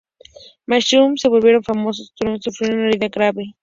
Massachusetts se volvieron famosos, Strong sufrió una herida grave.